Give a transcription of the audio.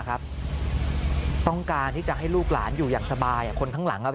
ต้องการที่จะให้ลูกหลานอยู่อย่างสบายคนข้างหลังครับ